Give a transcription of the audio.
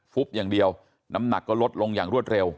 ฟุบอย่างเดียวน้ำหนักก็ลดลงอย่างรวดเร็ว